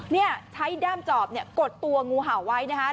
นี่ใช้ด้ามจอบเนี่ยกดตัวงูเห่าไว้นะคะ